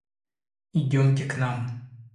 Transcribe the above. Идемте к нам!